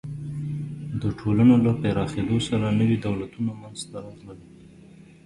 د ټولنو له پراخېدو سره نوي دولتونه منځ ته راغلل.